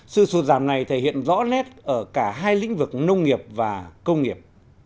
sự sụt giảm này thể hiện rõ nét ở cả hai lĩnh vực nông nghiệp và công nghiệp